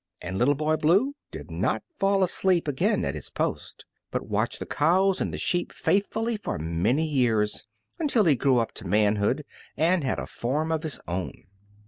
And Little Boy Blue did not fall asleep again at his post, but watched the cows and the sheep faithfully for many years, until he grew up to manhood and had a farm of his own.